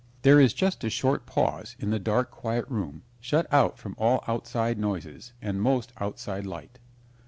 There is just a short pause in the dark, quiet room shut out from all outside noises and most outside light.